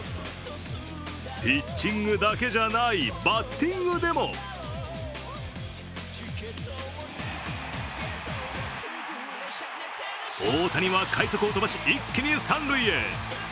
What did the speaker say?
ピッチングだけじゃない、バッティングでも大谷は快足を飛ばし一気に三塁へ。